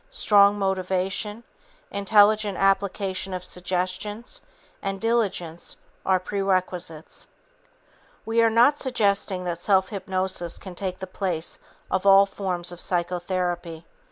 Strong motivation, intelligent application of suggestions and diligence are prerequisites. We are not suggesting that self hypnosis can take the place of all forms of psychotherapy.